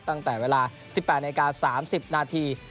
ตั้งแต่เวลา๑๘นาที๓๐นาที